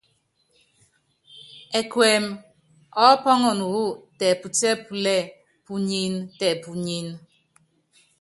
Ɛkuɛmɛ ɔɔ́pɔ́nɔnɔ wú tɛɛ́putíɛ́púlɛ́ púnyíní, tɛpúnyíní.